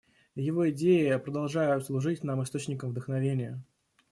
Его идеи продолжают служить нам источником вдохновения.